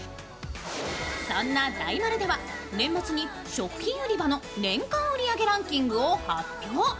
そんな大丸では年末に食品売り場の年間売り上げランキングを発表。